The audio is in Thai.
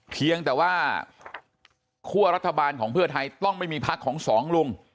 เพียงแต่ว่าคั่วรัฐบาลของเพื่อไทยต้องไม่มีพักของสองลุง